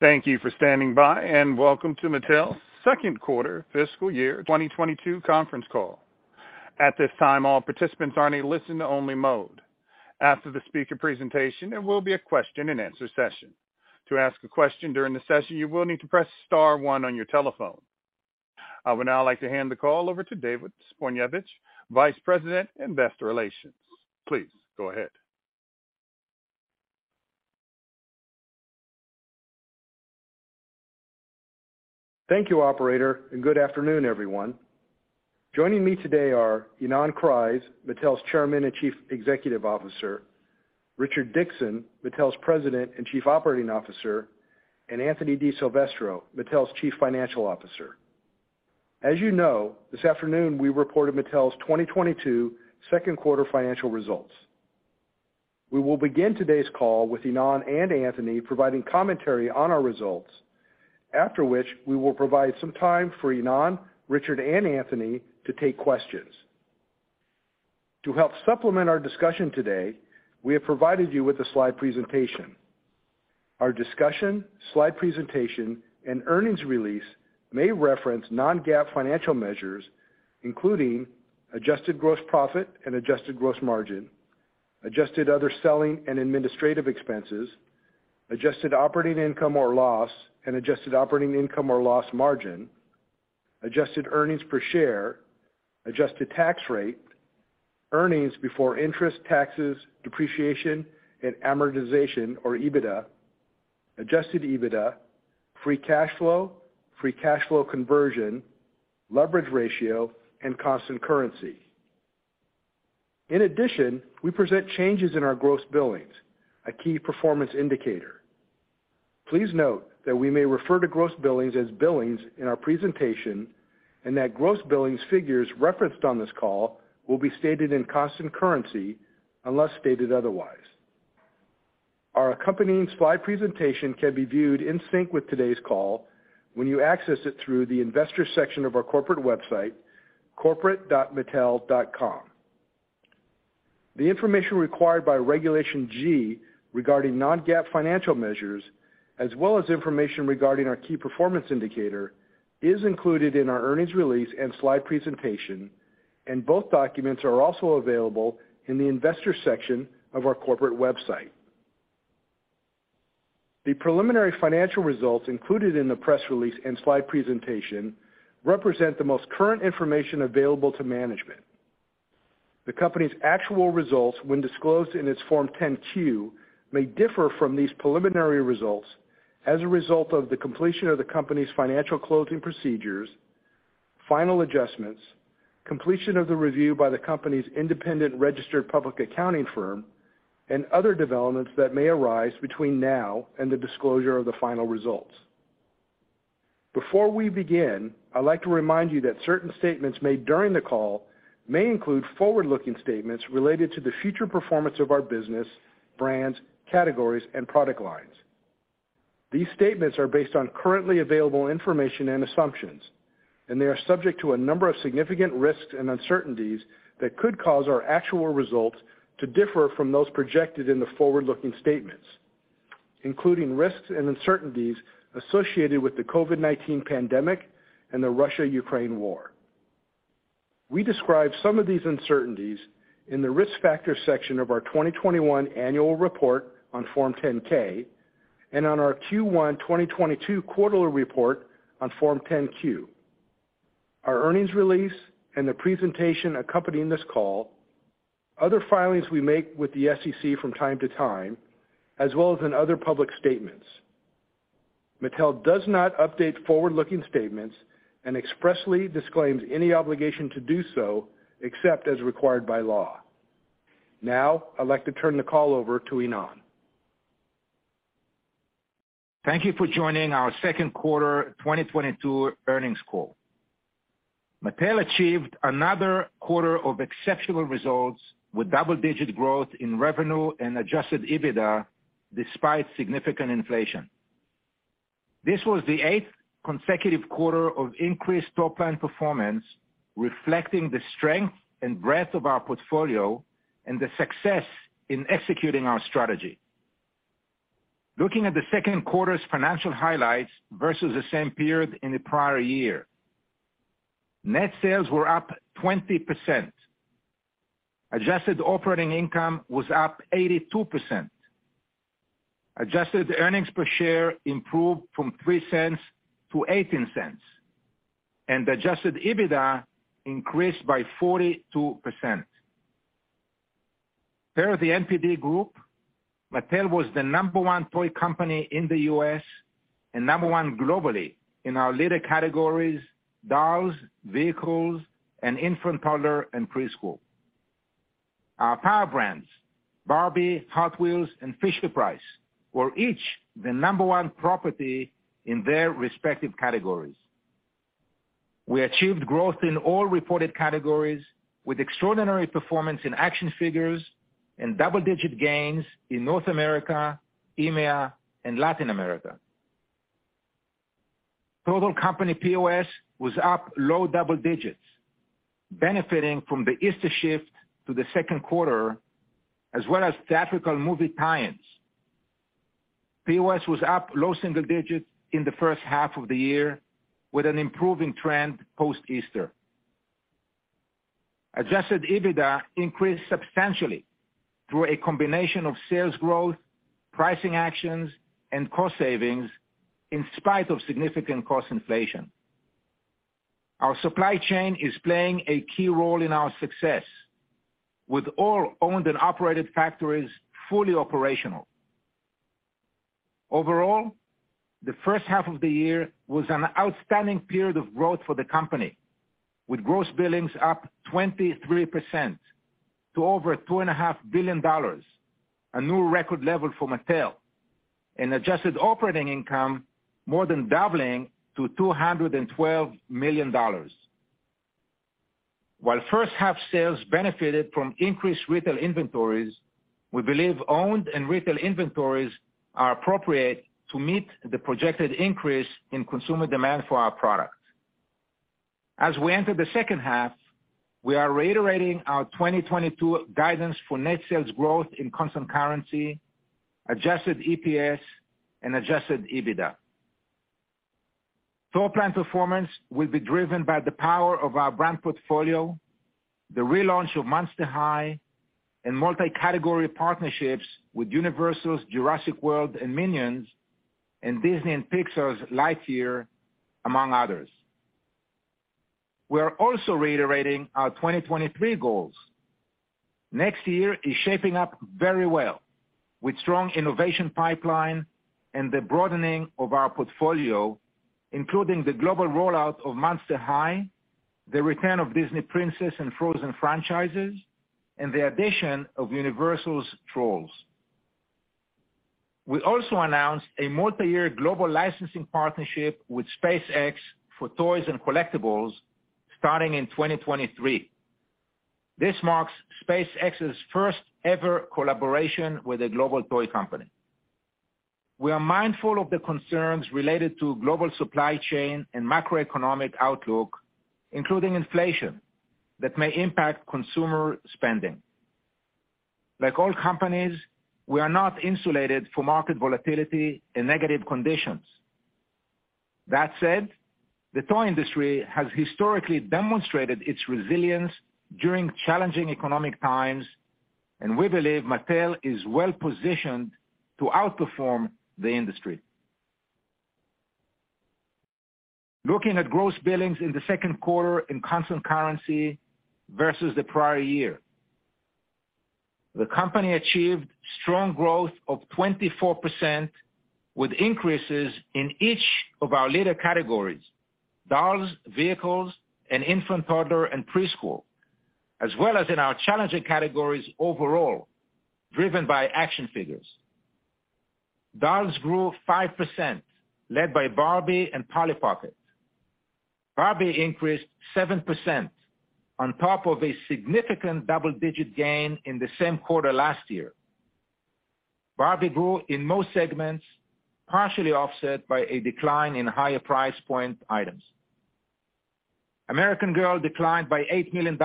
Thank you for standing by, and welcome to Mattel's second quarter fiscal year 2022 conference call. At this time, all participants are in a listen-only mode. After the speaker presentation, there will be a question-and-answer session. To ask a question during the session, you will need to press star one on your telephone. I would now like to hand the call over to David Zbojniewicz, Vice President, Investor Relations. Please go ahead. Thank you, operator, and good afternoon, everyone. Joining me today are Ynon Kreiz, Mattel's chairman and chief executive officer, Richard Dickson, Mattel's president and chief operating officer, and Anthony DiSilvestro, Mattel's chief financial officer. As you know, this afternoon we reported Mattel's 2022 second quarter financial results. We will begin today's call with Ynon and Anthony providing commentary on our results. After which, we will provide some time for Ynon, Richard, and Anthony to take questions. To help supplement our discussion today, we have provided you with a slide presentation. Our discussion, slide presentation, and earnings release may reference non-GAAP financial measures, including adjusted gross profit and adjusted gross margin, adjusted other selling and administrative expenses, adjusted operating income or loss and adjusted operating income or loss margin, adjusted earnings per share, adjusted tax rate, earnings before interest, taxes, depreciation, and amortization or EBITDA, adjusted EBITDA, free cash flow, free cash flow conversion, leverage ratio, and constant currency. In addition, we present changes in our gross billings, a key performance indicator. Please note that we may refer to gross billings as billings in our presentation, and that gross billings figures referenced on this call will be stated in constant currency unless stated otherwise. Our accompanying slide presentation can be viewed in sync with today's call when you access it through the investor section of our corporate website, corporate.mattel.com. The information required by Regulation G regarding non-GAAP financial measures, as well as information regarding our key performance indicator, is included in our earnings release and slide presentation, and both documents are also available in the investor section of our corporate website. The preliminary financial results included in the press release and slide presentation represent the most current information available to management. The company's actual results, when disclosed in its Form 10-Q, may differ from these preliminary results as a result of the completion of the company's financial closing procedures, final adjustments, completion of the review by the company's independent registered public accounting firm, and other developments that may arise between now and the disclosure of the final results. Before we begin, I'd like to remind you that certain statements made during the call may include forward-looking statements related to the future performance of our business, brands, categories, and product lines. These statements are based on currently available information and assumptions, and they are subject to a number of significant risks and uncertainties that could cause our actual results to differ from those projected in the forward-looking statements, including risks and uncertainties associated with the COVID-19 pandemic and the Russia-Ukraine war. We describe some of these uncertainties in the Risk Factors section of our 2021 annual report on Form 10-K and on our Q1 2022 quarterly report on Form 10-Q, our earnings release and the presentation accompanying this call, other filings we make with the SEC from time to time, as well as in other public statements. Mattel does not update forward-looking statements and expressly disclaims any obligation to do so except as required by law. Now I'd like to turn the call over to Ynon. Thank you for joining our second quarter 2022 earnings call. Mattel achieved another quarter of exceptional results with double-digit growth in revenue and adjusted EBITDA despite significant inflation. This was the eighth consecutive quarter of increased top line performance, reflecting the strength and breadth of our portfolio and the success in executing our strategy. Looking at the second quarter's financial highlights versus the same period in the prior year, net sales were up 20%, adjusted operating income was up 82%, adjusted earnings per share improved from $0.03 to $0.18, and adjusted EBITDA increased by 42%. Per The NPD Group, Mattel was the number one toy company in the U.S. and number one globally in our leader categories dolls, vehicles, and infant, toddler, and preschool. Our power brands, Barbie, Hot Wheels, and Fisher-Price, were each the number one property in their respective categories. We achieved growth in all reported categories with extraordinary performance in action figures and double-digit gains in North America, EMEA, and Latin America. Total company POS was up low double digits, benefiting from the Easter shift to the second quarter, as well as theatrical movie tie-ins. POS was up low single digits in the first half of the year with an improving trend post-Easter. Adjusted EBITDA increased substantially through a combination of sales growth, pricing actions, and cost savings in spite of significant cost inflation. Our supply chain is playing a key role in our success with all owned and operated factories fully operational. Overall, the first half of the year was an outstanding period of growth for the company, with gross billings up 23% to over $2.5 billion, a new record level for Mattel, and adjusted operating income more than doubling to $212 million. While first half sales benefited from increased retail inventories, we believe owned and retail inventories are appropriate to meet the projected increase in consumer demand for our products. As we enter the second half, we are reiterating our 2022 guidance for net sales growth in constant currency, adjusted EPS and adjusted EBITDA. Top-line performance will be driven by the power of our brand portfolio, the relaunch of Monster High and multi-category partnerships with Universal's Jurassic World and Minions, and Disney and Pixar's Lightyear, among others. We are also reiterating our 2023 goals. Next year is shaping up very well with strong innovation pipeline and the broadening of our portfolio, including the global rollout of Monster High, the return of Disney Princess and Frozen franchises, and the addition of Universal's Trolls. We also announced a multi-year global licensing partnership with SpaceX for toys and collectibles starting in 2023. This marks SpaceX's first-ever collaboration with a global toy company. We are mindful of the concerns related to global supply chain and macroeconomic outlook, including inflation, that may impact consumer spending. Like all companies, we are not insulated for market volatility and negative conditions. That said, the toy industry has historically demonstrated its resilience during challenging economic times, and we believe Mattel is well positioned to outperform the industry. Looking at gross billings in the second quarter in constant currency versus the prior year, the company achieved strong growth of 24%, with increases in each of our leading categories, Dolls, Vehicles, and Infant, Toddler, and Preschool, as well as in our challenging categories overall, driven by action figures. Dolls grew 5%, led by Barbie and Polly Pocket. Barbie increased 7% on top of a significant double-digit gain in the same quarter last year. Barbie grew in most segments, partially offset by a decline in higher price point items. American Girl declined by $8 million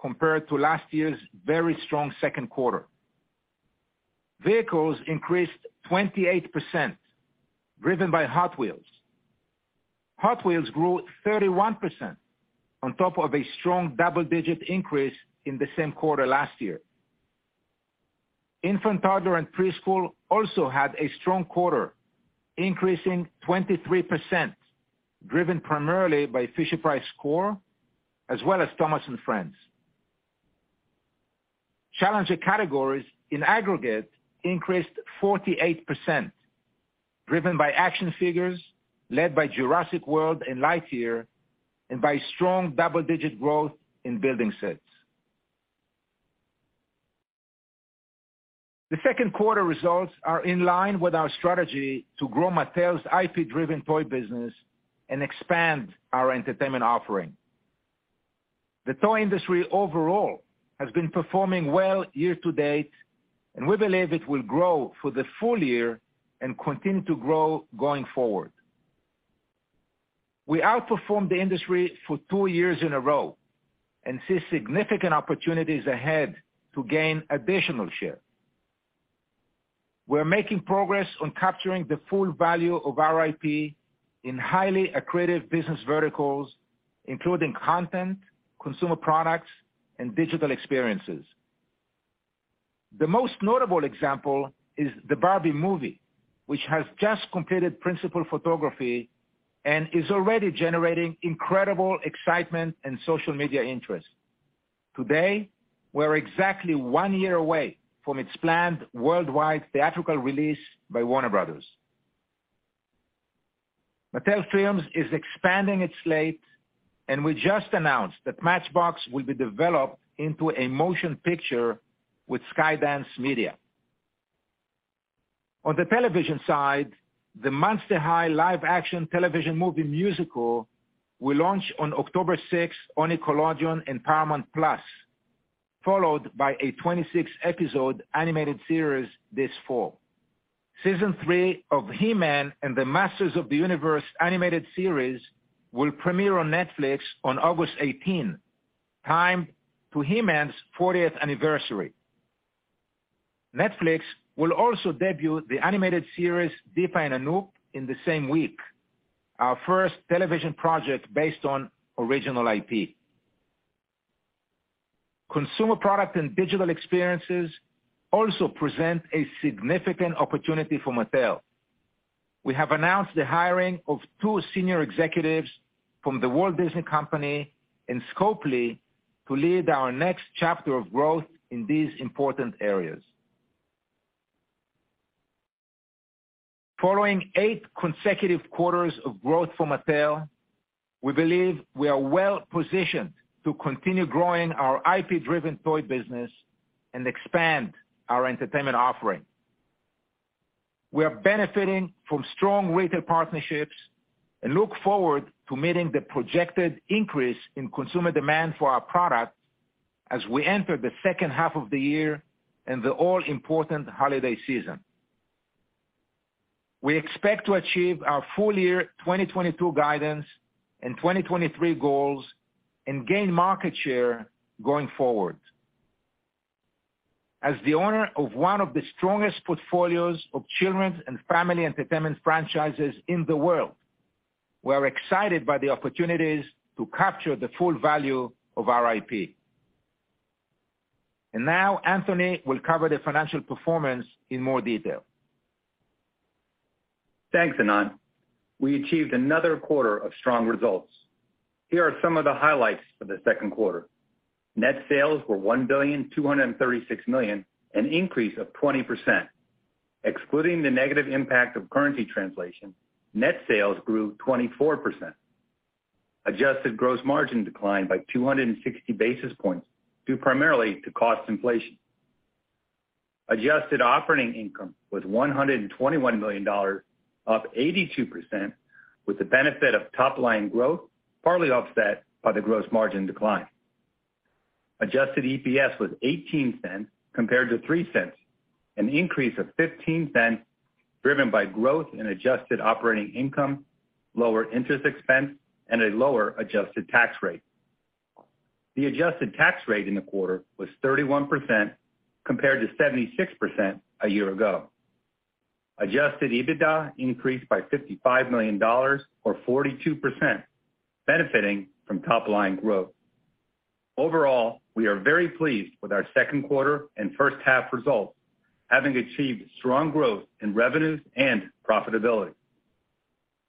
compared to last year's very strong second quarter. Vehicles increased 28%, driven by Hot Wheels. Hot Wheels grew 31% on top of a strong double-digit increase in the same quarter last year. Infant, toddler, and preschool also had a strong quarter, increasing 23%, driven primarily by Fisher-Price Core as well as Thomas & Friends. Challenger categories in aggregate increased 48%, driven by action figures led by Jurassic World and Lightyear and by strong double-digit growth in building sets. The second quarter results are in line with our strategy to grow Mattel's IP-driven toy business and expand our entertainment offering. The toy industry overall has been performing well year to date, and we believe it will grow for the full year and continue to grow going forward. We outperformed the industry for two years in a row and see significant opportunities ahead to gain additional share. We're making progress on capturing the full value of our IP in highly accretive business verticals, including content, consumer products, and digital experiences. The most notable example is the Barbie movie, which has just completed principal photography and is already generating incredible excitement and social media interest. Today, we're exactly one year away from its planned worldwide theatrical release by Warner Bros. Mattel Films is expanding its slate, and we just announced that Matchbox will be developed into a motion picture with Skydance Media. On the television side, the Monster High live action television movie musical will launch on October 6 on Nickelodeon and Paramount+. Followed by a 26-episode animated series this fall. Season three of He-Man and the Masters of the Universe animated series will premiere on Netflix on August 18, timed to He-Man's 40th anniversary. Netflix will also debut the animated series Deepa & Anoop in the same week, our first television project based on original IP. Consumer product and digital experiences also present a significant opportunity for Mattel. We have announced the hiring of two senior executives from The Walt Disney Company and Scopely to lead our next chapter of growth in these important areas. Following eight consecutive quarters of growth for Mattel, we believe we are well-positioned to continue growing our IP-driven toy business and expand our entertainment offering. We are benefiting from strong retail partnerships and look forward to meeting the projected increase in consumer demand for our products as we enter the second half of the year and the all-important holiday season. We expect to achieve our full year 2022 guidance and 2023 goals and gain market share going forward. As the owner of one of the strongest portfolios of children's and family entertainment franchises in the world, we're excited by the opportunities to capture the full value of our IP. Now Anthony will cover the financial performance in more detail. Thanks, Ynon. We achieved another quarter of strong results. Here are some of the highlights for the second quarter. Net sales were $1.236 billion, an increase of 20%. Excluding the negative impact of currency translation, net sales grew 24%. Adjusted gross margin declined by 260 basis points, due primarily to cost inflation. Adjusted operating income was $121 million, up 82% with the benefit of top line growth, partly offset by the gross margin decline. Adjusted EPS was $0.18 compared to $0.03, an increase of $0.15, driven by growth in adjusted operating income, lower interest expense, and a lower adjusted tax rate. The adjusted tax rate in the quarter was 31%, compared to 76% a year ago. Adjusted EBITDA increased by $55 million or 42%, benefiting from top line growth. Overall, we are very pleased with our second quarter and first half results, having achieved strong growth in revenues and profitability.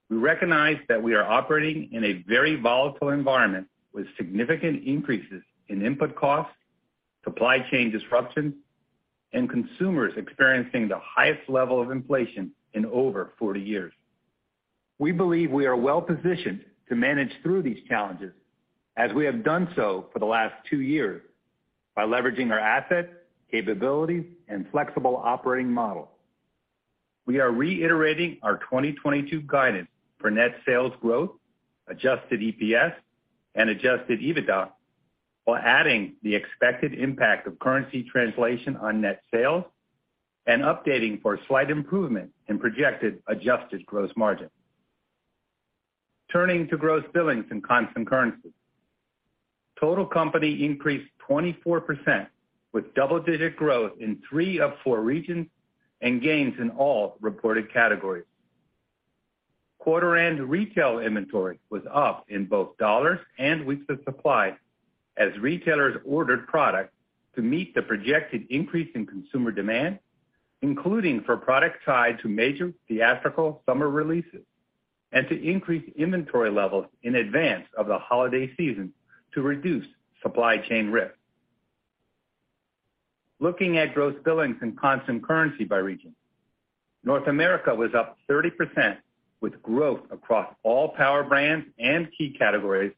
We recognize that we are operating in a very volatile environment with significant increases in input costs, supply chain disruption, and consumers experiencing the highest level of inflation in over 40 years. We believe we are well-positioned to manage through these challenges as we have done so for the last two years by leveraging our assets, capabilities, and flexible operating model. We are reiterating our 2022 guidance for net sales growth, adjusted EPS, and adjusted EBITDA, while adding the expected impact of currency translation on net sales and updating for a slight improvement in projected adjusted gross margin. Turning to gross billings in constant currency. Total company increased 24% with double-digit growth in three of four regions and gains in all reported categories. Quarter-end retail inventory was up in both dollars and weeks of supply as retailers ordered product to meet the projected increase in consumer demand, including for product tied to major theatrical summer releases, and to increase inventory levels in advance of the holiday season to reduce supply chain risk. Looking at gross billings in constant currency by region. North America was up 30% with growth across all power brands and key categories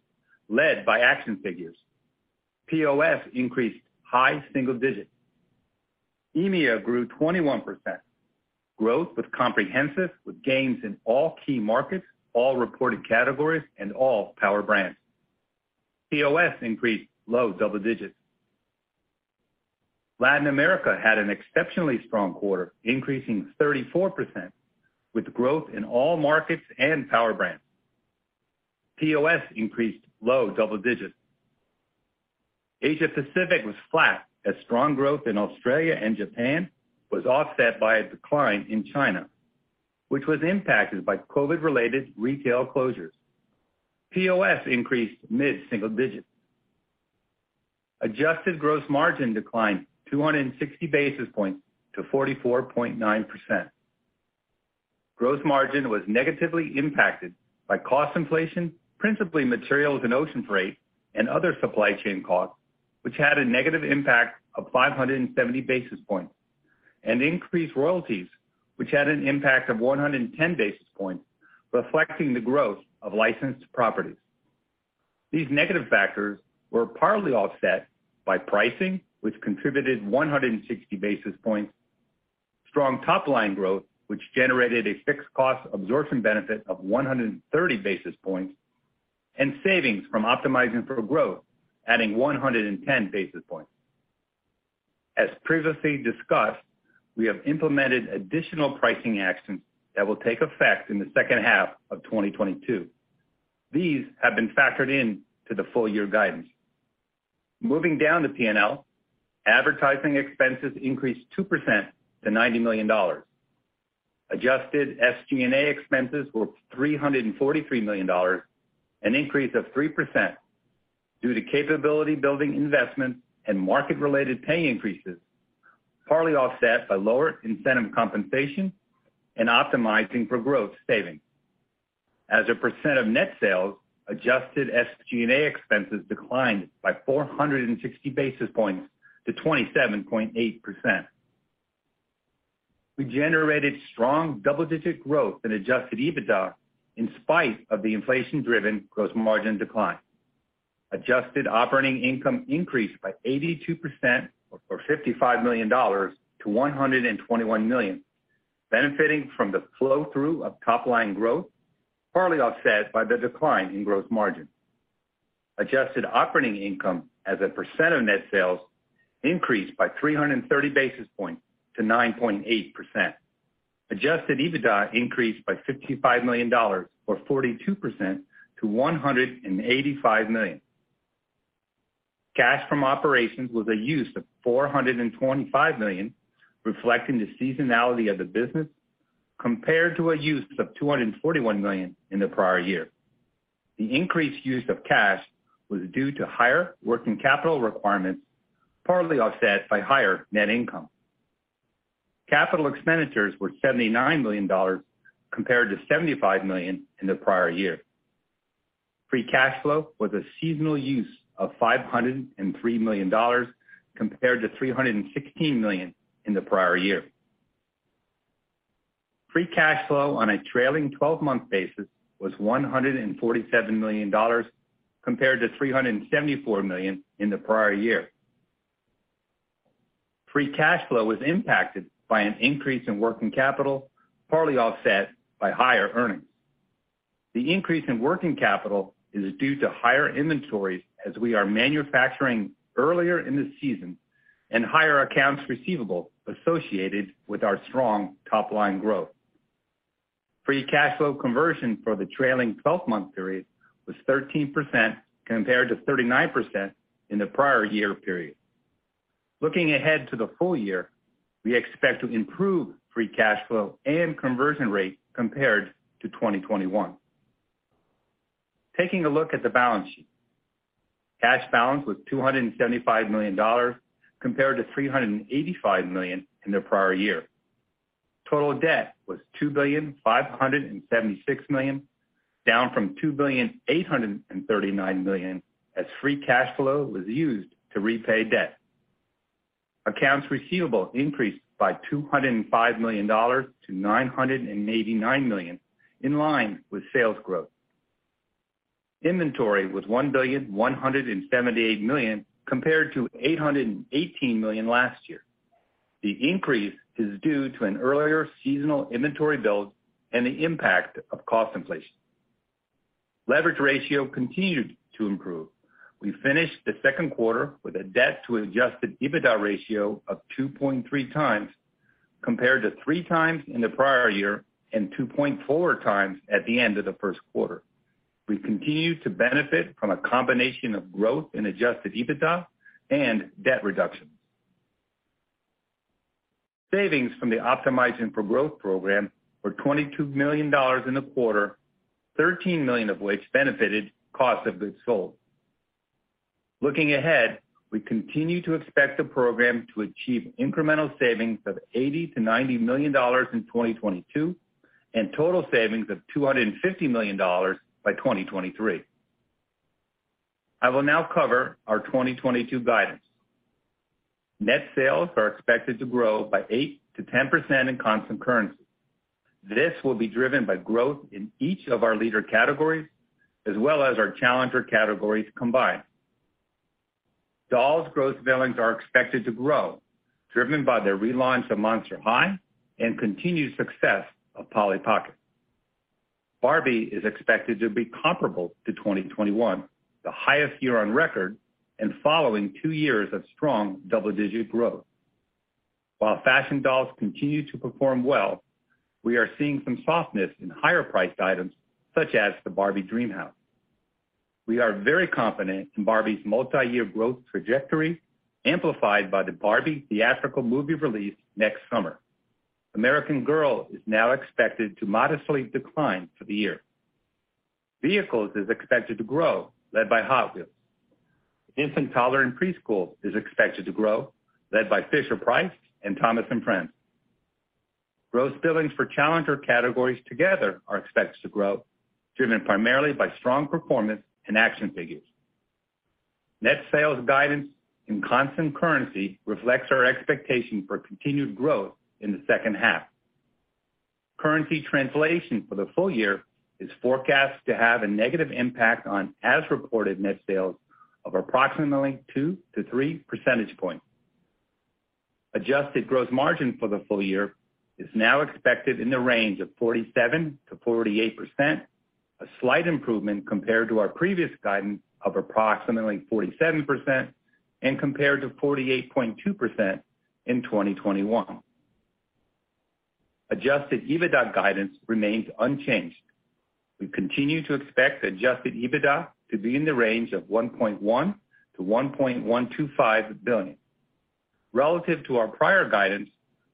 led by action figures. POS increased high single digits. EMEA grew 21%. Growth was comprehensive with gains in all key markets, all reported categories, and all power brands. POS increased low double digits. Latin America had an exceptionally strong quarter, increasing 34% with growth in all markets and power brands. POS increased low double digits. Asia Pacific was flat as strong growth in Australia and Japan was offset by a decline in China, which was impacted by COVID-related retail closures. POS increased mid-single digits. Adjusted gross margin declined 260 basis points to 44.9%. Gross margin was negatively impacted by cost inflation, principally materials and ocean freight and other supply chain costs, which had a negative impact of 570 basis points and increased royalties, which had an impact of 110 basis points, reflecting the growth of licensed properties. These negative factors were partly offset by pricing, which contributed 160 basis points. Strong top line growth, which generated a fixed cost absorption benefit of 130 basis points and savings from Optimizing for Growth, adding 110 basis points. As previously discussed, we have implemented additional pricing actions that will take effect in the second half of 2022. These have been factored in to the full year guidance. Moving down to P&L. Advertising expenses increased 2% to $90 million. Adjusted SG&A expenses were $343 million, an increase of 3% due to capability building investment and market-related pay increases, partly offset by lower incentive compensation and Optimizing for Growth savings. As a percent of net sales, adjusted SG&A expenses declined by 460 basis points to 27.8%. We generated strong double-digit growth in adjusted EBITDA in spite of the inflation driven gross margin decline. Adjusted operating income increased by 82% or $55 million to $121 million, benefiting from the flow through of top line growth, partly offset by the decline in gross margin. Adjusted operating income as a percent of net sales increased by 330 basis points to 9.8%. Adjusted EBITDA increased by $55 million or 42% to $185 million. Cash from operations was a use of $425 million, reflecting the seasonality of the business compared to a use of $241 million in the prior year. The increased use of cash was due to higher working capital requirements, partly offset by higher net income. Capital expenditures were $79 million compared to $75 million in the prior year. Free cash flow was a seasonal use of $503 million compared to $316 million in the prior year. Free cash flow on a trailing 12-month basis was $147 million compared to $374 million in the prior year. Free cash flow was impacted by an increase in working capital, partly offset by higher earnings. The increase in working capital is due to higher inventories as we are manufacturing earlier in the season and higher accounts receivable associated with our strong top line growth. Free cash flow conversion for the trailing 12-month period was 13% compared to 39% in the prior year period. Looking ahead to the full year, we expect to improve free cash flow and conversion rate compared to 2021. Taking a look at the balance sheet. Cash balance was $275 million compared to $385 million in the prior year. Total debt was $2.576 billion, down from $2.839 billion, as free cash flow was used to repay debt. Accounts receivable increased by $205 million to $989 million in line with sales growth. Inventory was $1.178 billion compared to $818 million last year. The increase is due to an earlier seasonal inventory build and the impact of cost inflation. Leverage ratio continued to improve. We finished the second quarter with a debt to Adjusted EBITDA ratio of 2.3x compared to 3x in the prior year and 2.4x at the end of the first quarter. We continue to benefit from a combination of growth in Adjusted EBITDA and debt reduction. Savings from the Optimizing for Growth program were $22 million in the quarter, $13 million of which benefited cost of goods sold. Looking ahead, we continue to expect the program to achieve incremental savings of $80 million-$90 million in 2022 and total savings of $250 million by 2023. I will now cover our 2022 guidance. Net sales are expected to grow by 8%-10% in constant currency. This will be driven by growth in each of our leader categories as well as our challenger categories combined. Dolls gross billings are expected to grow, driven by the relaunch of Monster High and continued success of Polly Pocket. Barbie is expected to be comparable to 2021, the highest year on record, and following two years of strong double-digit growth. While fashion dolls continue to perform well, we are seeing some softness in higher priced items such as the Barbie DreamHouse. We are very confident in Barbie's multi-year growth trajectory, amplified by the Barbie theatrical movie release next summer. American Girl is now expected to modestly decline for the year. Vehicles is expected to grow, led by Hot Wheels. Infant, toddler, and preschool is expected to grow, led by Fisher-Price and Thomas & Friends. Gross billings for challenger categories together are expected to grow, driven primarily by strong performance in action figures. Net sales guidance in constant currency reflects our expectation for continued growth in the second half. Currency translation for the full year is forecast to have a negative impact on as-reported net sales of approximately 2-3 percentage points. Adjusted gross margin for the full year is now expected in the range of 47%-48%, a slight improvement compared to our previous guidance of approximately 47% and compared to 48.2% in 2021. Adjusted EBITDA guidance remains unchanged. We continue to expect adjusted EBITDA to be in the range of $1.1 billion-$1.125 billion. Relative to our prior guidance,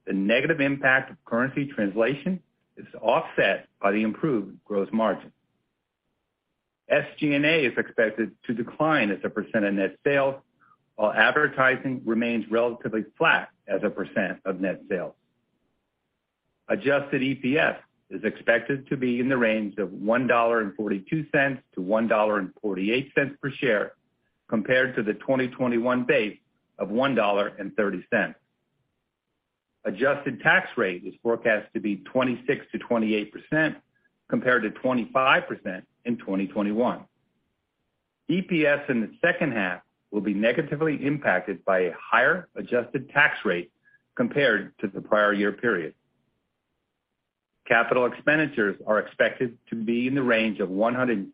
the negative impact of currency translation is offset by the improved gross margin. SG&A is expected to decline as a percent of net sales, while advertising remains relatively flat as a percent of net sales. Adjusted EPS is expected to be in the range of $1.42-$1.48 per share, compared to the 2021 base of $1.30. Adjusted tax rate is forecast to be 26%-28% compared to 25% in 2021. EPS in the second half will be negatively impacted by a higher adjusted tax rate compared to the prior year period. Capital expenditures are expected to be in the range of $175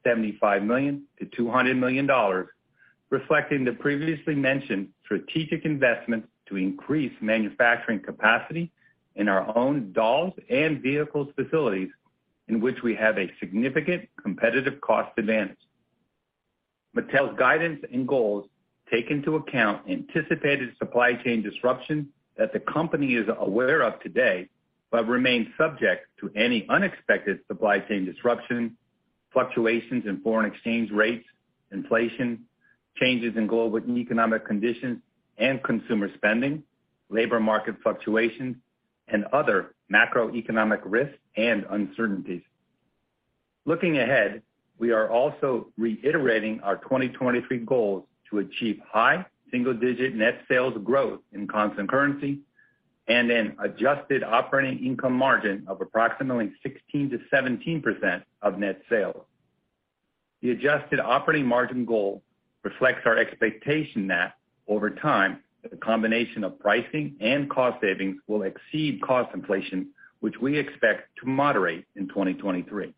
million-$200 million, reflecting the previously mentioned strategic investments to increase manufacturing capacity in our own dolls and vehicles facilities in which we have a significant competitive cost advantage. Mattel's guidance and goals take into account anticipated supply chain disruption that the company is aware of today, but remains subject to any unexpected supply chain disruption, fluctuations in foreign exchange rates, inflation, changes in global economic conditions and consumer spending, labor market fluctuations, and other macroeconomic risks and uncertainties. Looking ahead, we are also reiterating our 2023 goals to achieve high single-digit net sales growth in constant currency and an adjusted operating income margin of approximately 16%-17% of net sales. The adjusted operating margin goal reflects our expectation that over time, the combination of pricing and cost savings will exceed cost inflation, which we expect to moderate in 2023.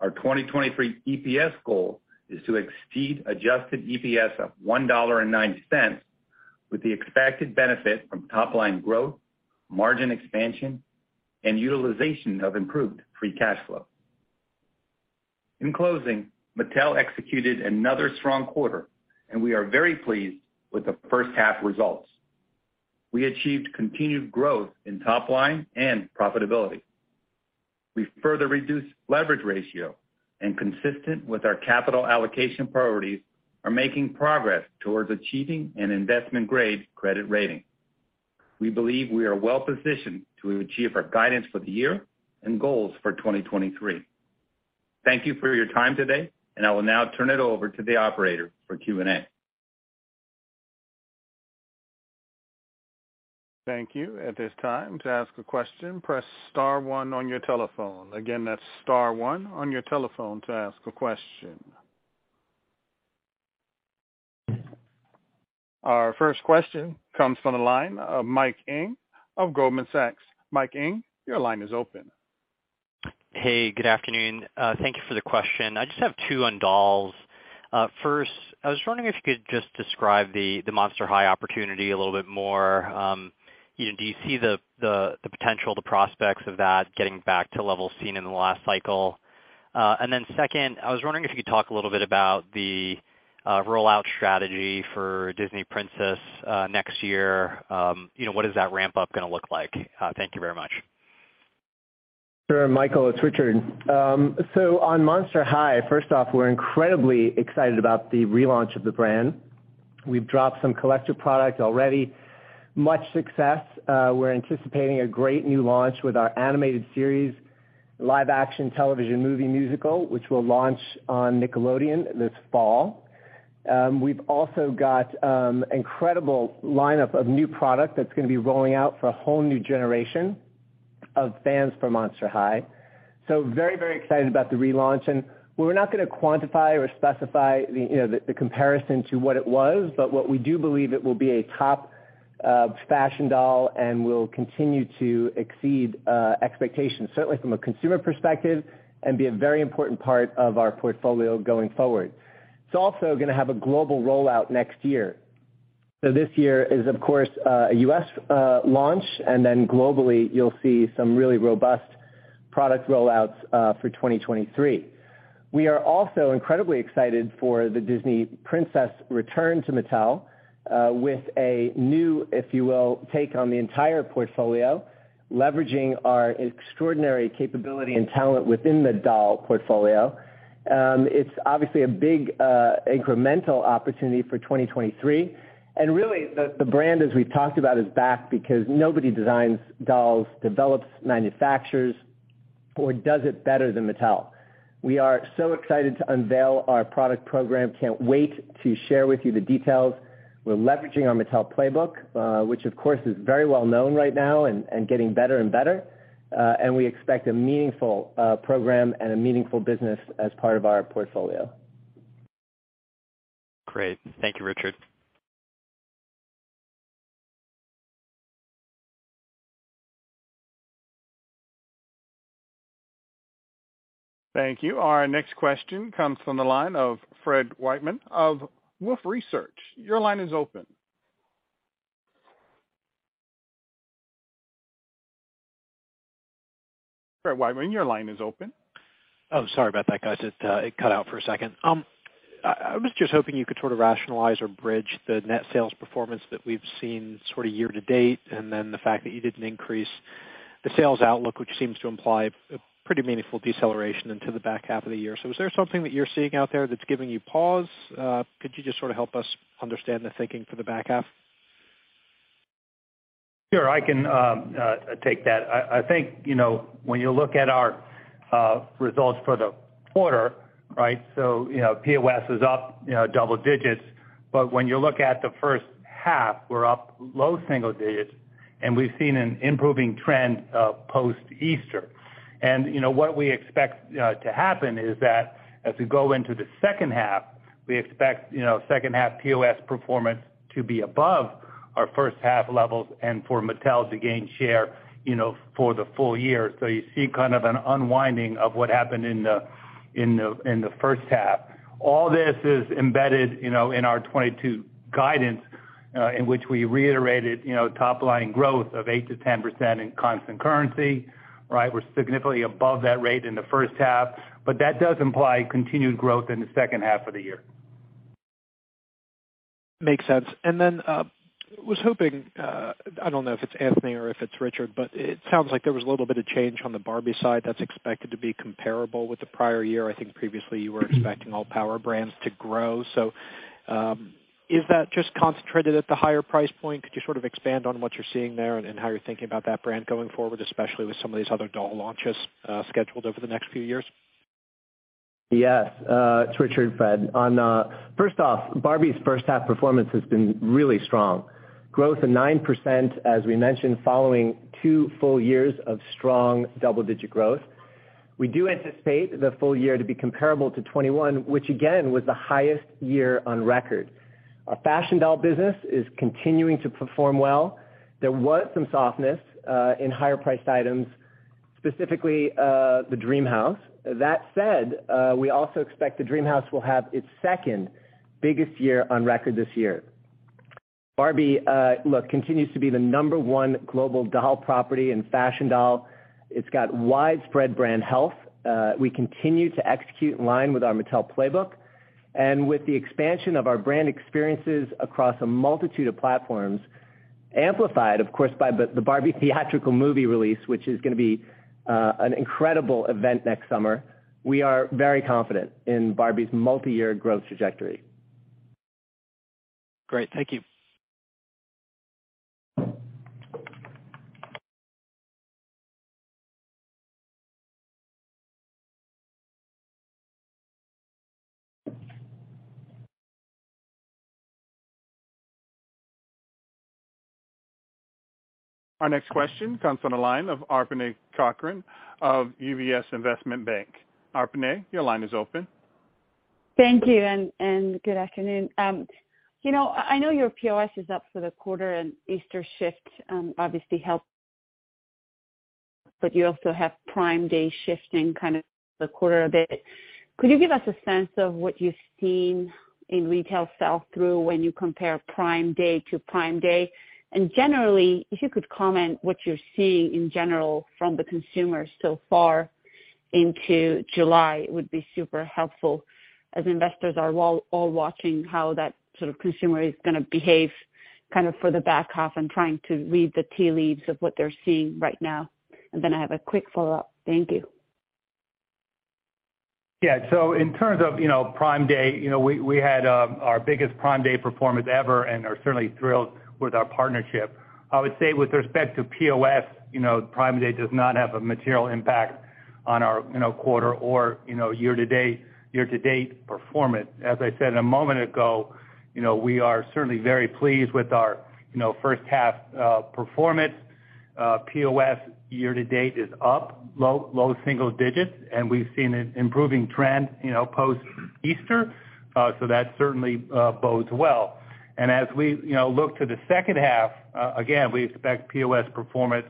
Our 2023 EPS goal is to exceed adjusted EPS of $1.90 with the expected benefit from top line growth, margin expansion, and utilization of improved free cash flow. In closing, Mattel executed another strong quarter, and we are very pleased with the first half results. We achieved continued growth in top line and profitability. We further reduced leverage ratio and consistent with our capital allocation priorities, are making progress towards achieving an investment-grade credit rating. We believe we are well positioned to achieve our guidance for the year and goals for 2023. Thank you for your time today, and I will now turn it over to the operator for Q&A. Thank you. At this time, to ask a question, press star one on your telephone. Again, that's star one on your telephone to ask a question. Our first question comes from the line of Michael Ng of Goldman Sachs. Michael Ng, your line is open. Hey, good afternoon. Thank you for the question. I just have two on dolls. First, I was wondering if you could just describe the Monster High opportunity a little bit more. You know, do you see the potential, the prospects of that getting back to levels seen in the last cycle? And then second, I was wondering if you could talk a little bit about the rollout strategy for Disney Princess next year. You know, what is that ramp up gonna look like? Thank you very much. Sure, Michael, it's Richard. On Monster High, first off, we're incredibly excited about the relaunch of the brand. We've dropped some collector products already, much success. We're anticipating a great new launch with our animated series, live action television Movie Musical, which will launch on Nickelodeon this fall. We've also got incredible lineup of new product that's gonna be rolling out for a whole new generation of fans for Monster High. Very, very excited about the relaunch, and we're not gonna quantify or specify the, you know, comparison to what it was, but what we do believe it will be a top fashion doll and will continue to exceed expectations, certainly from a consumer perspective and be a very important part of our portfolio going forward. It's also gonna have a global rollout next year. This year is, of course, a U.S. launch, and then globally, you'll see some really robust product rollouts for 2023. We are also incredibly excited for the Disney Princess return to Mattel, with a new, if you will, take on the entire portfolio, leveraging our extraordinary capability and talent within the doll portfolio. It's obviously a big incremental opportunity for 2023. Really, the brand, as we've talked about, is back because nobody designs dolls, develops, manufactures. Does it better than Mattel. We are so excited to unveil our product program. Can't wait to share with you the details. We're leveraging our Mattel Playbook, which of course, is very well-known right now and getting better and better. We expect a meaningful program and a meaningful business as part of our portfolio. Great. Thank you, Richard. Thank you. Our next question comes from the line of Fred Wightman of Wolfe Research. Your line is open. Fred Wightman, your line is open. Oh, sorry about that, guys. It cut out for a second. I was just hoping you could sort of rationalize or bridge the net sales performance that we've seen sort of year to date, and then the fact that you didn't increase the sales outlook, which seems to imply a pretty meaningful deceleration into the back half of the year. Is there something that you're seeing out there that's giving you pause? Could you just sort of help us understand the thinking for the back half? Sure, I can take that. I think, you know, when you look at our results for the quarter, right? You know, POS is up, you know, double digits, but when you look at the first half, we're up low single digits, and we've seen an improving trend post-Easter. You know what we expect to happen is that as we go into the second half, we expect, you know, second half POS performance to be above our first half levels and for Mattel to gain share, you know, for the full year. You see kind of an unwinding of what happened in the first half. All this is embedded, you know, in our 2022 guidance, in which we reiterated, you know, top line growth of 8%-10% in constant currency, right? We're significantly above that rate in the first half, but that does imply continued growth in the second half of the year. Makes sense. I was hoping, I don't know if it's Anthony or if it's Richard, but it sounds like there was a little bit of change on the Barbie side that's expected to be comparable with the prior year. I think previously you were expecting all power brands to grow. Is that just concentrated at the higher price point? Could you sort of expand on what you're seeing there and how you're thinking about that brand going forward, especially with some of these other doll launches scheduled over the next few years? Yes, it's Richard, Fred. First off, Barbie's first half performance has been really strong. Growth of 9%, as we mentioned, following two full years of strong double-digit growth. We do anticipate the full year to be comparable to 2021, which again, was the highest year on record. Our fashion doll business is continuing to perform well. There was some softness in higher priced items, specifically, the DreamHouse. That said, we also expect the DreamHouse will have its second biggest year on record this year. Barbie, look, continues to be the number one global doll property and fashion doll. It's got widespread brand health. We continue to execute in line with our Mattel Playbook. With the expansion of our brand experiences across a multitude of platforms, amplified of course by the Barbie theatrical movie release, which is gonna be an incredible event next summer, we are very confident in Barbie's multiyear growth trajectory. Great. Thank you. Our next question comes from the line of Arpiné Kocharian of UBS Investment Bank. Arpiné, your line is open. Thank you, good afternoon. You know, I know your POS is up for the quarter and Easter shift obviously helped. You also have Prime Day shifting kind of the quarter a bit. Could you give us a sense of what you've seen in retail sell-through when you compare Prime Day to Prime Day? Generally, if you could comment what you're seeing in general from the consumer so far into July, it would be super helpful as investors are all watching how that sort of consumer is gonna behave kind of for the back half and trying to read the tea leaves of what they're seeing right now. Then I have a quick follow-up. Thank you. Yeah. In terms of, you know, Prime Day, you know, we had our biggest Prime Day performance ever and are certainly thrilled with our partnership. I would say with respect to POS, you know, Prime Day does not have a material impact on our, you know, quarter or, you know, year-to-date performance. As I said a moment ago, you know, we are certainly very pleased with our, you know, first half performance. POS year-to-date is up low single digits%, and we've seen an improving trend, you know, post Easter. That certainly bodes well. As we, you know, look to the second half, again, we expect POS performance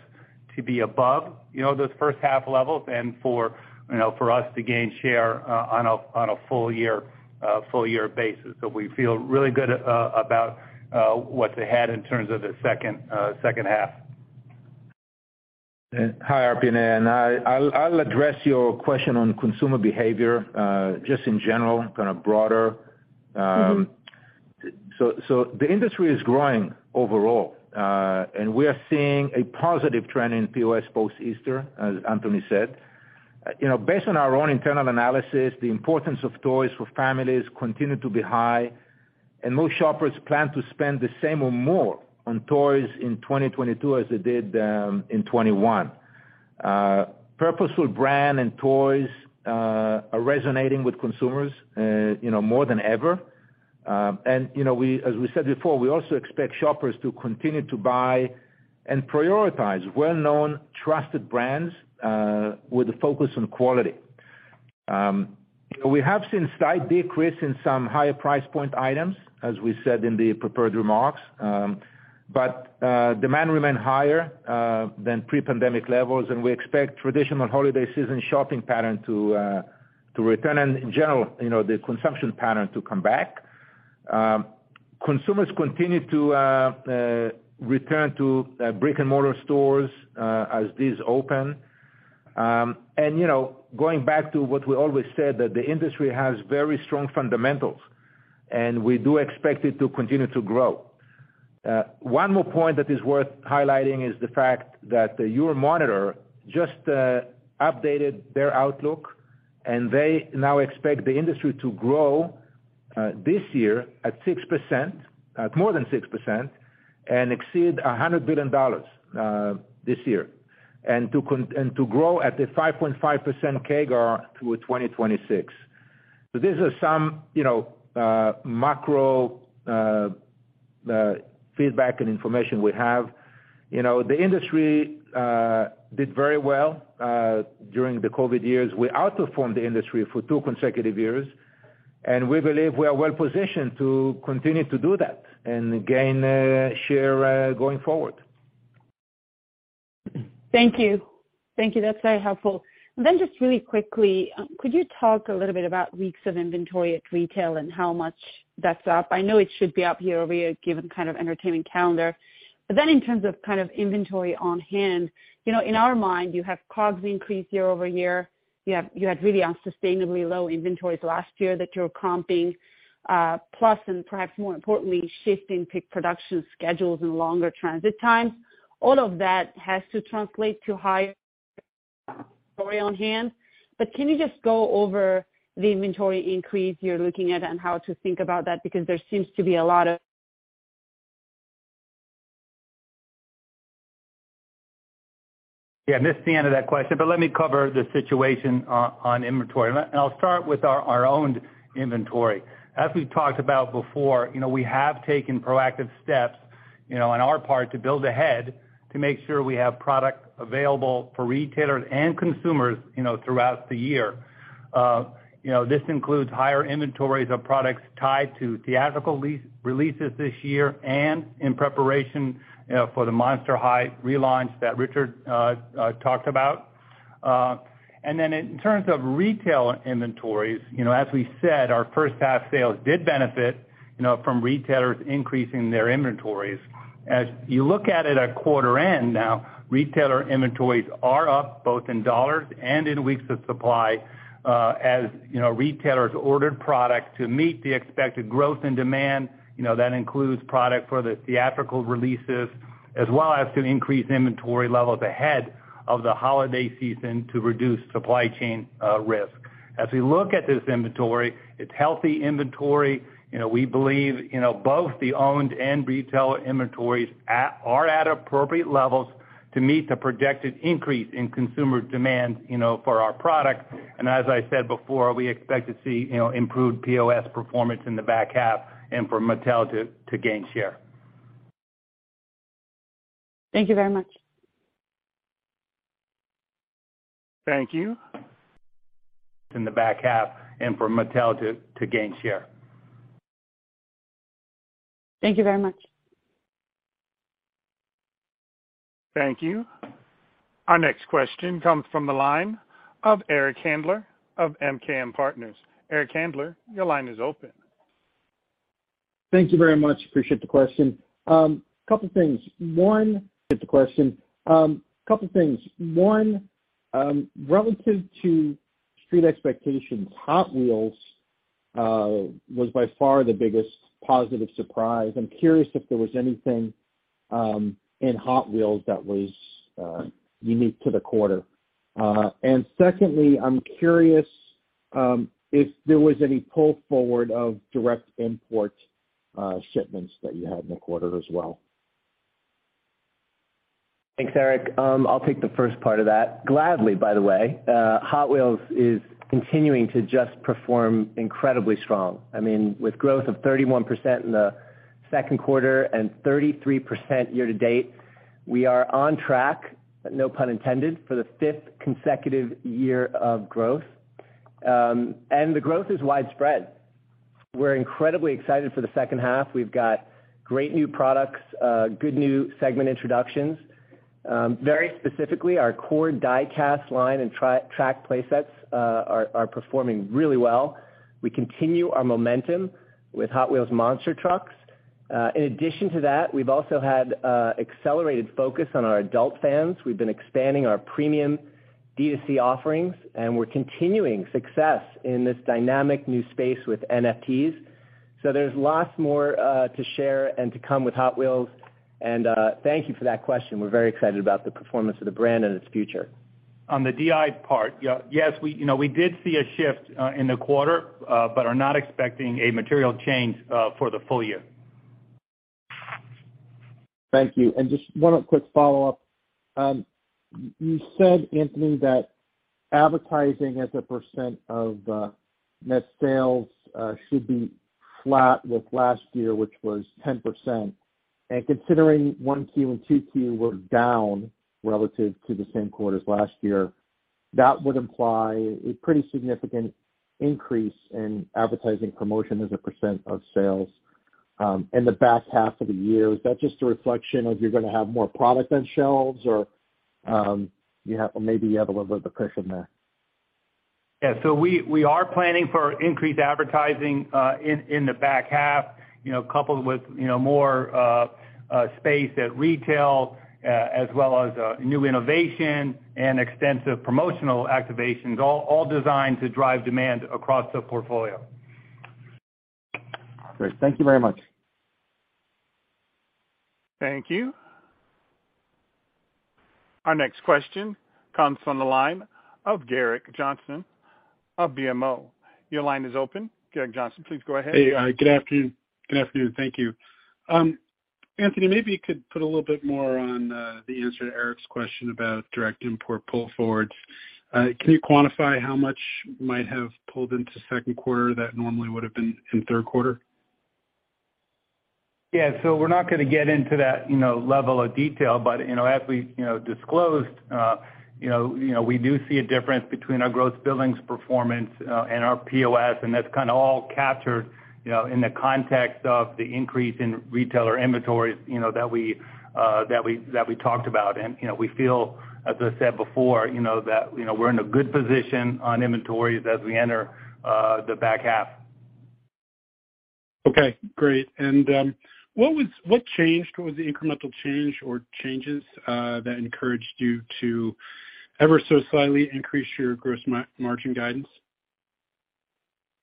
to be above, you know, those first half levels and for, you know, us to gain share on a full year basis. We feel really good about what they had in terms of the second half. Hi, Arpiné, and I'll address your question on consumer behavior, just in general, kind of broader. The industry is growing overall, and we are seeing a positive trend in POS post-Easter, as Anthony said. You know, based on our own internal analysis, the importance of toys for families continue to be high. Most shoppers plan to spend the same or more on toys in 2022 as they did in 2021. Purposeful brand and toys are resonating with consumers, you know, more than ever. You know, as we said before, we also expect shoppers to continue to buy and prioritize well-known trusted brands with a focus on quality. We have seen slight decrease in some higher price point items, as we said in the prepared remarks, but demand remained higher than pre-pandemic levels, and we expect traditional holiday season shopping pattern to return and in general, you know, the consumption pattern to come back. Consumers continue to return to brick-and-mortar stores as these open. You know, going back to what we always said, that the industry has very strong fundamentals, and we do expect it to continue to grow. One more point that is worth highlighting is the fact that, NPD just updated their outlook, and they now expect the industry to grow this year at 6%, at more than 6% and exceed $100 billion this year, and to grow at a 5.5% CAGR through 2026. These are some, you know, macro feedback and information we have. You know, the industry did very well during the COVID years. We outperformed the industry for two consecutive years, and we believe we are well positioned to continue to do that and gain share going forward. Thank you. That's very helpful. Just really quickly, could you talk a little bit about weeks of inventory at retail and how much that's up? I know it should be up year-over-year given kind of entertainment calendar. In terms of kind of inventory on hand, you know, in our mind, you have COGS increase year-over-year. You had really unsustainably low inventories last year that you're comping, plus and perhaps more importantly, shifting peak production schedules and longer transit times. All of that has to translate to higher inventory on hand. Can you just go over the inventory increase you're looking at and how to think about that? Because there seems to be a lot of Yeah, I missed the end of that question, but let me cover the situation on inventory. I'll start with our own inventory. As we've talked about before, you know, we have taken proactive steps, you know, on our part to build ahead to make sure we have product available for retailers and consumers, you know, throughout the year. You know, this includes higher inventories of products tied to theatrical releases this year and in preparation, you know, for the Monster High relaunch that Richard talked about. Then in terms of retail inventories, you know, as we said, our first half sales did benefit, you know, from retailers increasing their inventories. As you look at it at quarter end now, retailer inventories are up both in dollars and in weeks of supply, as you know, retailers ordered product to meet the expected growth and demand. You know, that includes product for the theatrical releases as well as to increase inventory levels ahead of the holiday season to reduce supply chain risk. As we look at this inventory, it's healthy inventory. You know, we believe, you know, both the owned and retail inventories are at appropriate levels to meet the projected increase in consumer demand, you know, for our products. As I said before, we expect to see, you know, improved POS performance in the back half and for Mattel to gain share. Thank you very much. Thank you. In the back half and for Mattel to gain share. Thank you very much. Thank you. Our next question comes from the line of Eric Handler of MKM Partners. Eric Handler, your line is open. Thank you very much. Appreciate the question. Couple things. One, relative to street expectations, Hot Wheels was by far the biggest positive surprise. I'm curious if there was anything in Hot Wheels that was unique to the quarter. Secondly, I'm curious if there was any pull forward of direct import shipments that you had in the quarter as well. Thanks, Eric. I'll take the first part of that, gladly, by the way. Hot Wheels is continuing to just perform incredibly strong. I mean, with growth of 31% in the second quarter and 33% year to date, we are on track, no pun intended, for the fifth consecutive year of growth. The growth is widespread. We're incredibly excited for the second half. We've got great new products, good new segment introductions. Very specifically, our core die-cast line and track play sets are performing really well. We continue our momentum with Hot Wheels Monster Trucks. In addition to that, we've also had accelerated focus on our adult fans. We've been expanding our premium D2C offerings, and we're continuing success in this dynamic new space with NFTs. There's lots more to share and to come with Hot Wheels. Thank you for that question. We're very excited about the performance of the brand and its future. On the DI part, yes, we, you know, we did see a shift in the quarter, but are not expecting a material change for the full year. Thank you. Just one quick follow-up. You said, Anthony, that advertising as a percent of net sales should be flat with last year, which was 10%. Considering 1Q and 2Q were down relative to the same quarters last year, that would imply a pretty significant increase in advertising and promotion as a percent of sales in the back half of the year. Is that just a reflection of you're gonna have more product on shelves or maybe you have a little bit of pressure there? Yeah. We are planning for increased advertising in the back half, you know, coupled with, you know, more space at retail, as well as new innovation and extensive promotional activations, all designed to drive demand across the portfolio. Great. Thank you very much. Thank you. Our next question comes from the line of Gerrick Johnson of BMO. Your line is open. Gerrick Johnson, please go ahead. Hey, good afternoon. Thank you. Anthony, maybe you could put a little bit more on the answer to Eric's question about direct import pull forwards. Can you quantify how much might have pulled into second quarter that normally would have been in third quarter? Yeah. We're not gonna get into that, you know, level of detail, but, you know, as we, you know, disclosed, you know, we do see a difference between our gross billings performance, and our POS, and that's kinda all captured, you know, in the context of the increase in retailer inventory, you know, that we talked about. We feel, as I said before, you know, that, you know, we're in a good position on inventories as we enter the back half. Okay, great. What changed? What was the incremental change or changes that encouraged you to ever so slightly increase your gross margin guidance?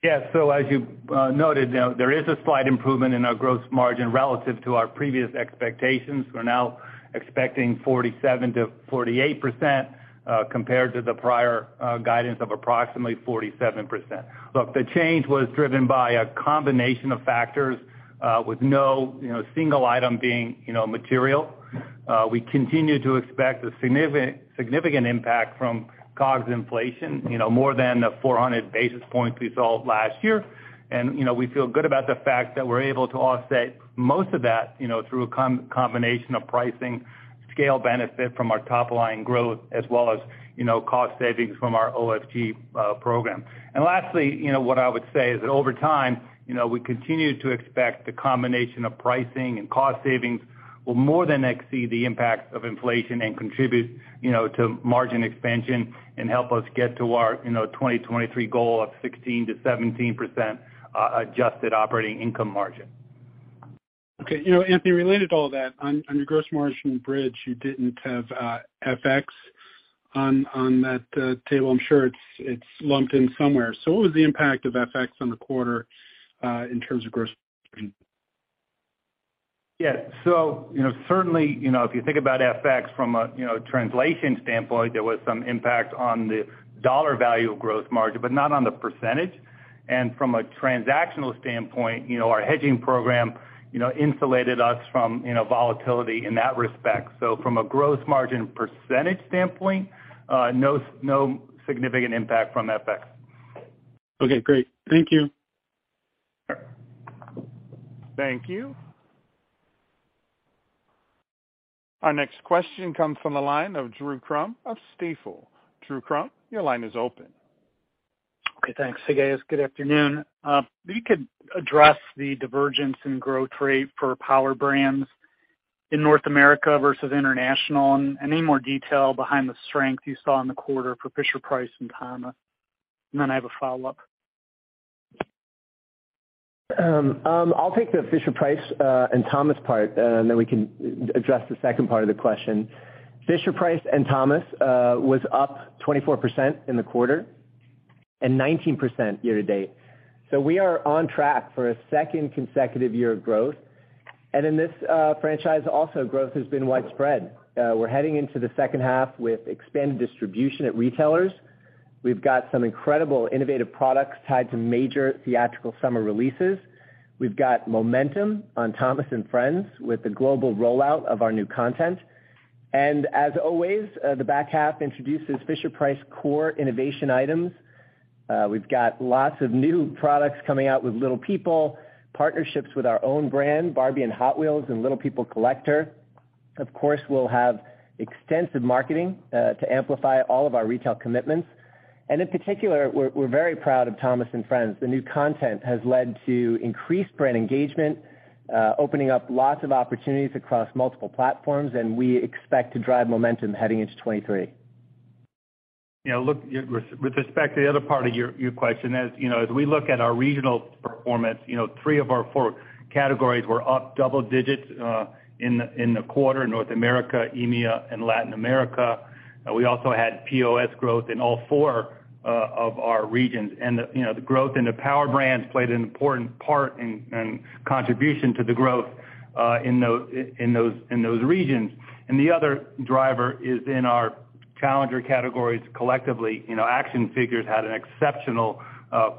Yeah. As you noted, you know, there is a slight improvement in our gross margin relative to our previous expectations. We're now expecting 47%-48%, compared to the prior guidance of approximately 47%. Look, the change was driven by a combination of factors, with no, you know, single item being, you know, material. We continue to expect a significant impact from COGS inflation, you know, more than the 400 basis points we saw last year. We feel good about the fact that we're able to offset most of that, you know, through a combination of pricing, scale benefit from our top line growth, as well as, you know, cost savings from our OFG program. Lastly, you know, what I would say is that over time, you know, we continue to expect the combination of pricing and cost savings will more than exceed the impacts of inflation and contribute, you know, to margin expansion and help us get to our, you know, 2023 goal of 16%-17% adjusted operating income margin. Okay. You know, Anthony, related to all that, on your gross margin bridge, you didn't have FX on that table. I'm sure it's lumped in somewhere. What was the impact of FX on the quarter in terms of gross margin? Yeah. You know, certainly, you know, if you think about FX from a, you know, translation standpoint, there was some impact on the dollar value of gross margin, but not on the percentage. From a transactional standpoint, you know, our hedging program, you know, insulated us from, you know, volatility in that respect. From a gross margin percentage standpoint, no significant impact from FX. Okay, great. Thank you. Sure. Thank you. Our next question comes from the line of Drew Crum of Stifel. Drew Crum, your line is open. Okay, thanks. Hey, guys, good afternoon. If you could address the divergence in growth rate for Power Brands in North America versus international, and any more detail behind the strength you saw in the quarter for Fisher-Price and Thomas. I have a follow-up. I'll take the Fisher-Price and Thomas part, and then we can address the second part of the question. Fisher-Price and Thomas was up 24% in the quarter and 19% year to date. So we are on track for a second consecutive year of growth. In this franchise also, growth has been widespread. We're heading into the second half with expanded distribution at retailers. We've got some incredible innovative products tied to major theatrical summer releases. We've got momentum on Thomas & Friends with the global rollout of our new content. As always, the back half introduces Fisher-Price Core innovation items. We've got lots of new products coming out with Little People, partnerships with our own brand, Barbie and Hot Wheels and Little People Collector. Of course, we'll have extensive marketing to amplify all of our retail commitments. In particular, we're very proud of Thomas & Friends. The new content has led to increased brand engagement, opening up lots of opportunities across multiple platforms, and we expect to drive momentum heading into 2023. Yeah, look, with respect to the other part of your question, as you know, as we look at our regional performance, you know, three of our four categories were up double digits in the quarter, North America, EMEA, and Latin America. We also had POS growth in all four of our regions. The growth in the Power Brands played an important part in contribution to the growth in those regions. The other driver is in our Challenger categories collectively, you know, action figures had an exceptional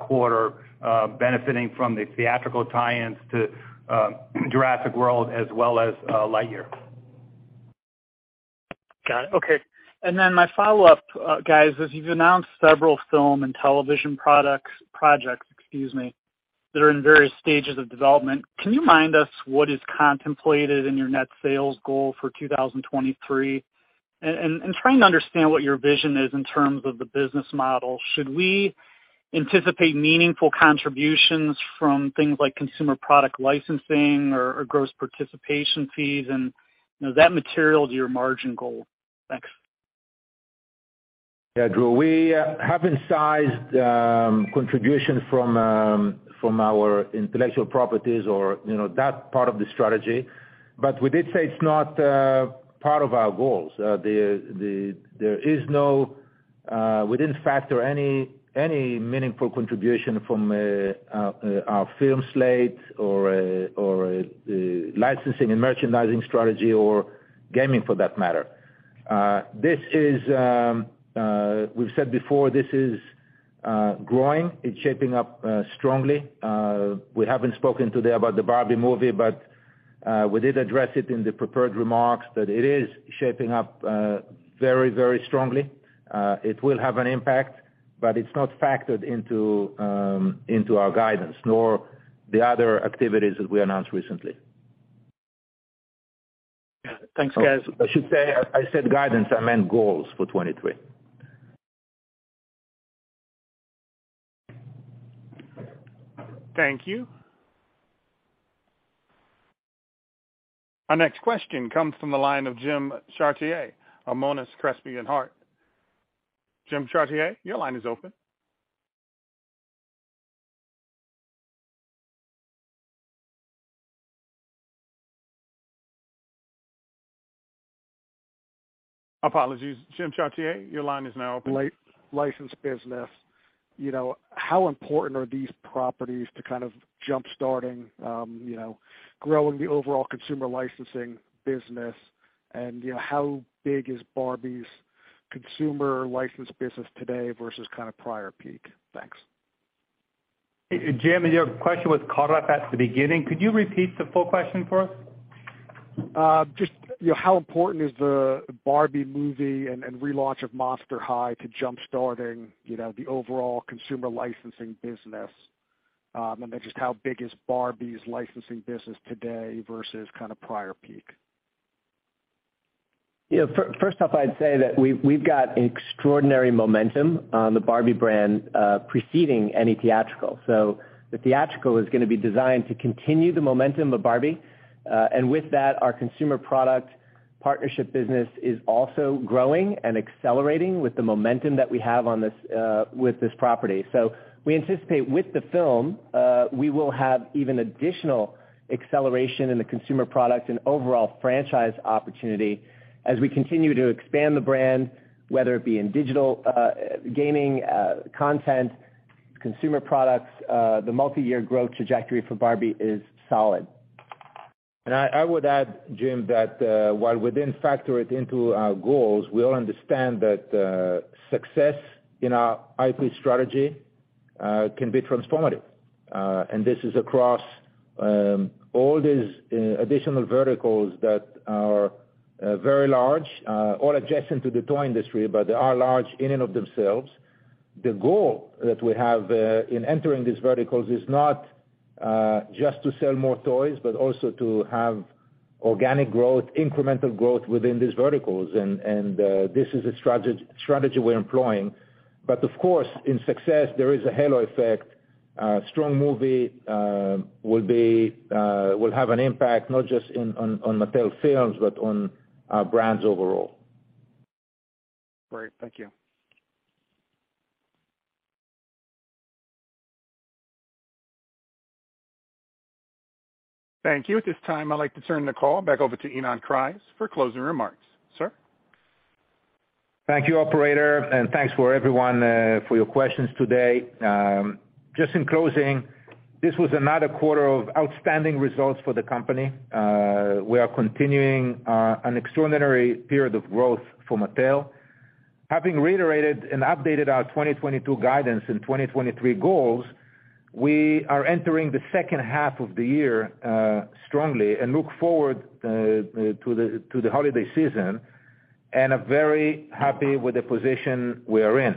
quarter, benefiting from the theatrical tie-ins to Jurassic World as well as Lightyear. Got it. Okay. My follow-up, guys, is you've announced several film and television projects that are in various stages of development. Can you remind us what is contemplated in your net sales goal for 2023? Trying to understand what your vision is in terms of the business model, should we anticipate meaningful contributions from things like consumer product licensing or gross participation fees and that are material to your margin goal? Thanks. Yeah, Drew. We haven't sized contribution from our intellectual properties or, you know, that part of the strategy. We did say it's not part of our goals. We didn't factor any meaningful contribution from our film slate or a licensing and merchandising strategy or gaming for that matter. This is, we've said before, this is growing. It's shaping up strongly. We haven't spoken today about the Barbie movie, but we did address it in the prepared remarks that it is shaping up very, very strongly. It will have an impact, but it's not factored into our guidance nor the other activities that we announced recently. Yeah. Thanks, guys. I should say, I said guidance, I meant goals for 2023. Thank you. Our next question comes from the line of James Chartier, Monness, Crespi, Hardt & Co. James Chartier, your line is open. Apologies. James Chartier, your line is now open. Licensed business, you know, how important are these properties to kind of jump-starting, you know, growing the overall consumer licensing business and, you know, how big is Barbie's consumer licensing business today versus kind of prior peak? Thanks. Jim, your question was cut off at the beginning. Could you repeat the full question for us? Just, you know, how important is the Barbie movie and relaunch of Monster High to jump-starting, you know, the overall consumer licensing business? Just how big is Barbie's licensing business today versus kind of prior peak? Yeah. First off, I'd say that we've got extraordinary momentum on the Barbie brand preceding any theatrical. The theatrical is gonna be designed to continue the momentum of Barbie. With that, our consumer product partnership business is also growing and accelerating with the momentum that we have on this with this property. We anticipate with the film we will have even additional acceleration in the consumer product and overall franchise opportunity as we continue to expand the brand, whether it be in digital, gaming, content, consumer products, the multi-year growth trajectory for Barbie is solid. I would add, Jim, that while we didn't factor it into our goals, we all understand that success in our IP strategy can be transformative. This is across all these additional verticals that are very large, all adjacent to the toy industry, but they are large in and of themselves. The goal that we have in entering these verticals is not just to sell more toys, but also to have organic growth, incremental growth within these verticals. This is a strategy we're employing. Of course, in success, there is a halo effect. Strong movie will have an impact not just on Mattel Films, but on our brands overall. Great. Thank you. Thank you. At this time, I'd like to turn the call back over to Ynon Kreiz for closing remarks. Sir? Thank you, operator. Thanks, everyone, for your questions today. Just in closing, this was another quarter of outstanding results for the company. We are continuing an extraordinary period of growth for Mattel. Having reiterated and updated our 2022 guidance and 2023 goals, we are entering the second half of the year strongly and look forward to the holiday season and are very happy with the position we are in.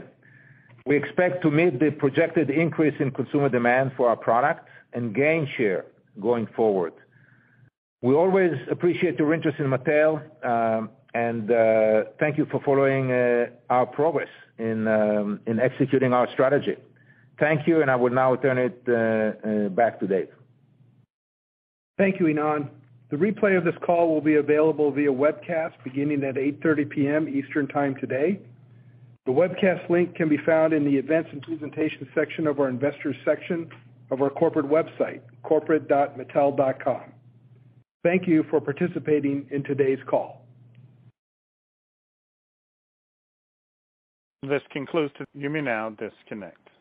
We expect to meet the projected increase in consumer demand for our products and gain share going forward. We always appreciate your interest in Mattel, and thank you for following our progress in executing our strategy. Thank you, and I will now turn it back to Dave. Thank you, Ynon. The replay of this call will be available via webcast beginning at 8:30 P.M. Eastern time today. The webcast link can be found in the Events and Presentation section of our Investors section of our corporate website, corporate.mattel.com. Thank you for participating in today's call. This concludes the call. You may now disconnect.